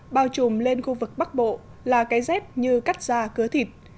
bao trùm lên khu vực bắc bộ là cái rét như cắt ra cớ thịt